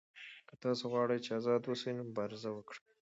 که تاسو غواړئ چې آزاد اوسئ نو مبارزه وکړئ.